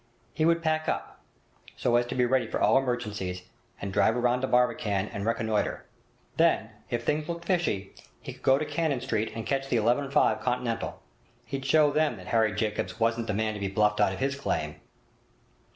He would pack up, so as to be ready for all emergencies, and drive round to Barbican and reconnoitre. Then, if things looked fishy, he could go to Cannon Street and catch the 11.5 Continental. He'd show them that Harry Jacobs wasn't the man to be bluffed out of his claim!